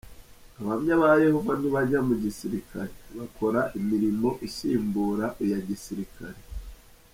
Abahamya ba Yehova ntibajya mu gisirikare, bakora imirimo isimbura iya gisirikare.